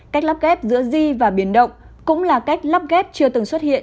cách lắp ghép giữa di và biển động cũng là cách lắp ghép chưa từng xuất hiện